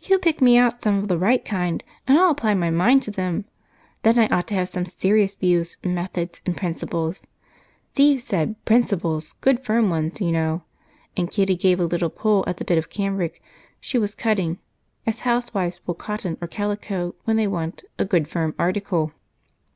"You pick me out some of the right kind, and I'll apply my mind to them. Then I ought to have some 'serious views' and 'methods' and 'principles.' Steve said 'principles,' good firm ones, you know." And Kitty gave a little pull at the bit of cambric she was cutting as housewives pull cotton or calico when they want "a good firm article."